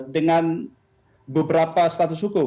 dengan beberapa status hukum